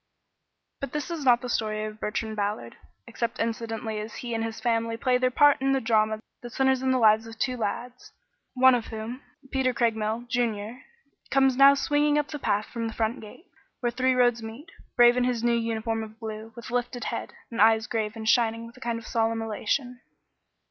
But this is not the story of Bertrand Ballard, except incidentally as he and his family play their part in the drama that centers in the lives of two lads, one of whom Peter Craigmile, Junior comes now swinging up the path from the front gate, where three roads meet, brave in his new uniform of blue, with lifted head, and eyes grave and shining with a kind of solemn elation.